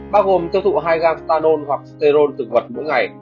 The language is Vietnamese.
bao gồm tiêu thụ hai g stanol hoặc sterol thực vật mỗi ngày